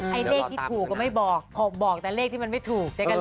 ไอ้เลขที่ถูกก็ไม่บอกบอกแต่เลขที่มันไม่ถูก